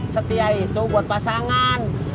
setia itu buat pasangan